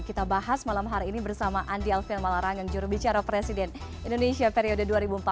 kita bahas malam hari ini bersama andi alvin malarangeng jurubicara presiden indonesia periode dua ribu empat belas dua ribu dua